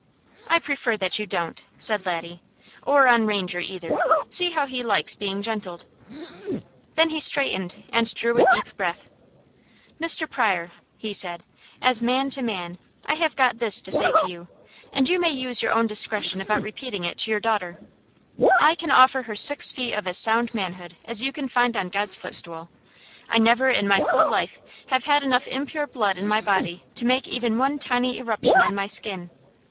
"I prefer that you don't," said Laddie, "or on Ranger either. See how he likes being gentled." Then he straightened and drew a deep breath. "Mr. Pryor," he said, "as man to man, I have got this to say to you and you may use your own discretion about repeating it to your daughter: I can offer her six feet of as sound manhood as you can find on God's footstool. I never in my whole life have had enough impure blood in my body to make even one tiny eruption on my skin.